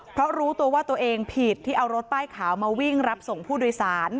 เพราะรู้ตัวว่าตัวเองผิดที่เอารถป้ายขาวมาวิ่งรับส่งผู้โดยสาร